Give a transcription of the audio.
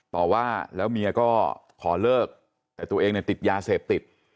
ต่อว่าแล้วเมียก็ขอเลิกแต่ตัวเองเนี่ยติดยาเสพติด